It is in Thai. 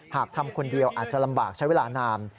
หากทำคนเดียวอาจจะลำบากใช้เวลานาน